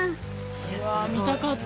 見たかった。